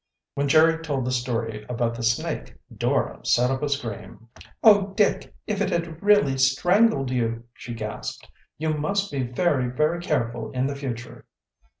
When Jerry told the story about the snake Dora set up a scream. "Oh, Dick, if it had really strangled you!" she gasped. "You must be very, very careful in the future!"